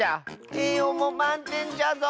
えいようもまんてんじゃぞ！